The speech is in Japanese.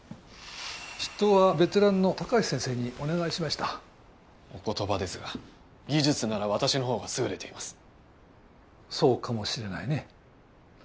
執刀はベテランの高橋先生にお願いしましたお言葉ですが技術なら私のほうが優れていますそうかもしれないね